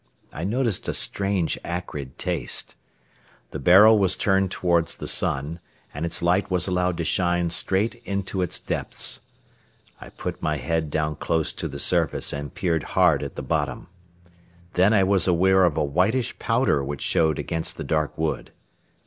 I noticed a strange acrid taste. The barrel was turned toward the sun, and its light was allowed to shine straight into its depths. I put my head down close to the surface and peered hard at the bottom. Then I was aware of a whitish powder which showed against the dark wood.